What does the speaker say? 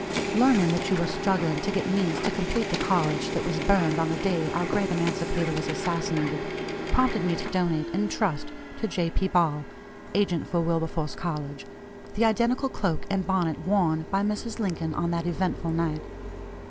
Learning that you were struggling to get means to complete the college that was burned on the day our great emancipator was assassinated, prompted me to donate, in trust to J. P. Ball (agent for Wilberforce College), the identical cloak and bonnet worn by Mrs. Lincoln on that eventful night.